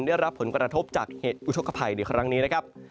ได้รับผลกระทบจากเหตุการณ์ไฟป่าที่ครั้งนี้นะครับ